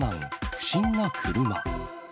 不審な車。